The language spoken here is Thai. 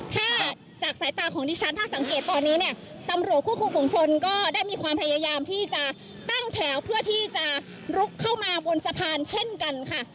ถ้าจากสายตาของดิฉันถ้าสังเกตตอนนี้เนี่ยตำรวจควบคุมฝุงชนก็ได้มีความพยายามที่จะตั้งแถวเพื่อที่จะลุกเข้ามาบนสะพานเช่นกันค่ะ